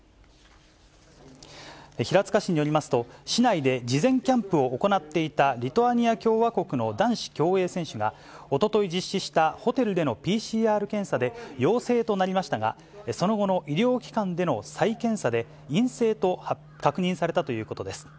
平塚市によりますと、市内で事前キャンプを行っていた、リトアニア共和国の男子競泳選手が、おととい実施したホテルでのＰＣＲ検査で陽性となりましたが、その後の医療機関での再検査で、陰性と確認されたということです。